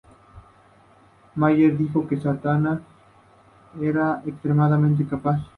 Meyer dijo que Satana era "extremadamente capaz.